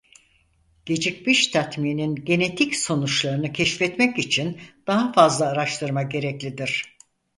Gecikmiş tatminin genetik sonuçlarını keşfetmek için daha fazla araştırma gereklidir.